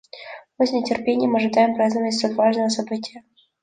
Мы с нетерпением ожидаем празднования столь важного события.